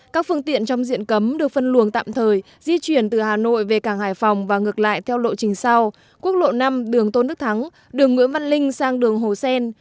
các phương tiện trong diện cấm được phân luồng tạm thời di chuyển từ hà nội về cảng hải phòng và ngược lại theo lộ trình sau quốc lộ năm đường tôn đức thắng đường nguyễn văn linh sang đường hồ sen